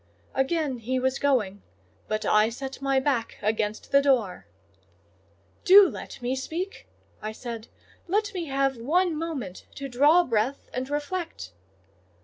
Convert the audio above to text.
Again he was going, but I set my back against the door. "Do let me speak," I said; "let me have one moment to draw breath and reflect."